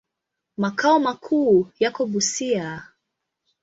Makao makuu yako Busia.